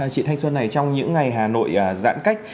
chị thanh xuân này trong những ngày hà nội giãn cách